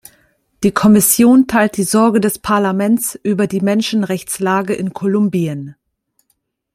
Die Kommission teilt die Sorge des Parlaments über die Menschenrechtslage in Kolumbien.